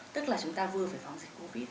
tức là chúng ta vừa phải phòng dịch covid